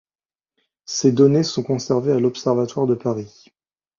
Ces données sont conservées à l'Observatoire de Paris.